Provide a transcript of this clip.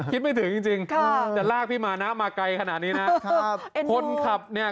คิดไม่ถึงจริงแต่ลากพี่มานะมาไกลขนาดนี้นะ